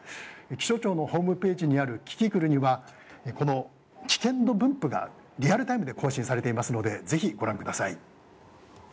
気象庁のホームページにあるキキクルにはこの危険度分布がリアルタイムで更新されていますのでぜひご覧ください。